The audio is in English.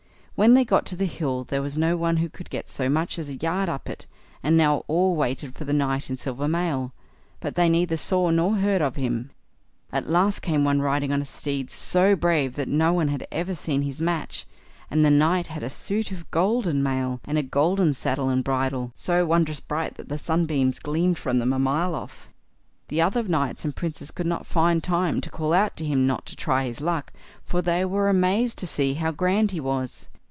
When they got to the hill there was no one who could get so much as a yard up it; and now all waited for the knight in silver mail, but they neither saw nor heard of him. At last came one riding on a steed, so brave that no one had ever seen his match; and the knight had a suit of golden mail, and a golden saddle and bridle, so wondrous bright that the sunbeams gleamed from them a mile off. The other knights and princes could not find time to call out to him not to try his luck, for they were amazed to see how grand he was.